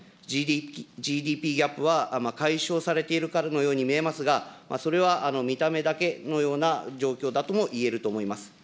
ＧＤＰギャップは解消されているかのように見えますが、それは見た目だけのような状況だともいえると思います。